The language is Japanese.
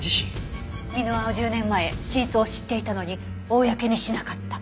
箕輪は１０年前真相を知っていたのに公にしなかった。